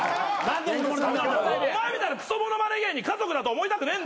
お前みたいなくそ物まね芸人家族だと思いたくねえんだよ。